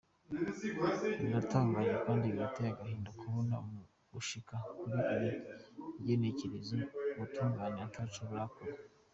Biratangaje kandi birateye agahinda kubona gushika kuri iri genekerezo ubutungane ataco burakora.